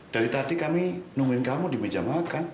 dari tadi kami nemuin kamu di meja makan